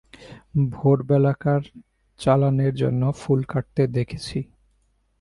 ভোরবেলাকার চালানের জন্য ফুল কাটতে দেখেছি।